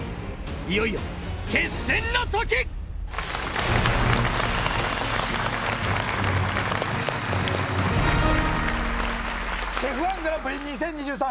いよいよ決戦のときＣＨＥＦ−１グランプリ２０２３